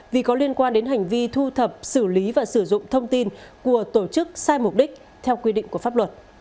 vì có liên quan đến hành vi thu thập xử lý và sử dụng thông tin của tổ chức sai mục đích theo quy định của pháp luật